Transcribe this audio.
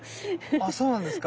あっそうなんですか。